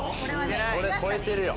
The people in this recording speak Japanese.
これ超えてるよ。